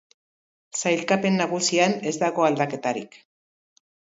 Sailkapen nagusian ez dago aldaketarik.